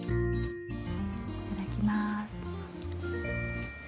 いただきます。